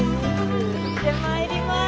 行ってまいります。